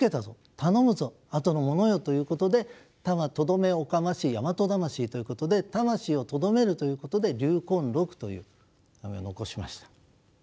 頼むぞあとの者よ。ということで「たま留め置かまし大和魂」ということで魂を留めるということで「留魂録」という手紙を残しました。